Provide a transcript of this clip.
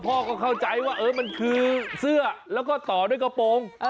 พ่อก็เข้าใจว่ามันคือเสื้อแล้วก็ต่อด้วยกระโปรง